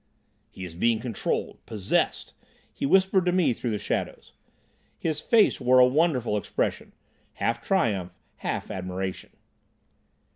"He is being controlled—possessed," he whispered to me through the shadows. His face wore a wonderful expression, half triumph, half admiration.